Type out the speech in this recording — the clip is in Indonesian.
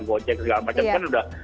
gojek segala macam kan udah